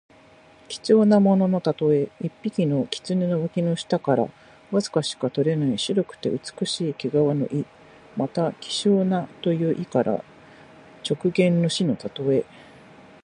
貴重なもののたとえ。一匹の狐の脇の下からわずかしか取れない白くて美しい毛皮の意。また、希少なという意から直言の士のたとえ。